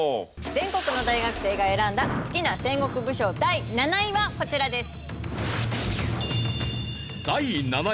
全国の大学生が選んだ好きな戦国武将第７位はこちらです。